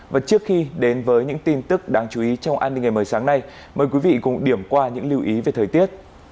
và trước khi đến với những tin tức đáng chú ý trong an ninh ngày mới sáng nay mời quý vị cùng điểm qua những lưu ý về thời tiết